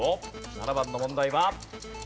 ７番の問題は。